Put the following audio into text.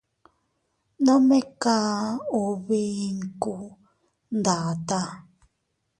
Nome kaʼa ubi inkuu ndataa.